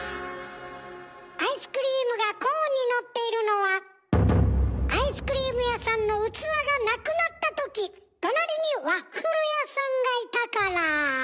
アイスクリームがコーンにのっているのはアイスクリーム屋さんの器がなくなったとき隣にワッフル屋さんがいたから。